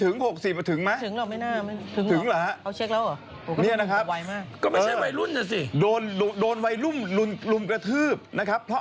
นี่เขาเขียนในนี้ว่า๖๐